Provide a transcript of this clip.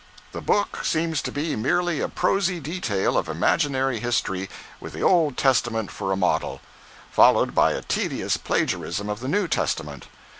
The book seems to be merely a prosy detail of imaginary history, with the Old Testament for a model; followed by a tedious plagiarism of the New Testament.